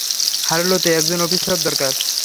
হার্লোতে একজন অফিসার দরকার।